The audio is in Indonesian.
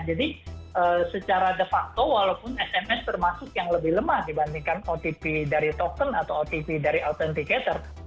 jadi secara de facto walaupun sms termasuk yang lebih lemah dibandingkan otp dari token atau otp dari authenticator